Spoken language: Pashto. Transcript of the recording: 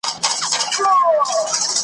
په نیژدې لیري ښارو کي آزمېیلی.